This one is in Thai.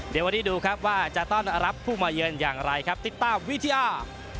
เดี๋ยววันนี้ดูครับว่าจะต้อนรับผู้มาเยือนอย่างไรครับติดตามวิทยา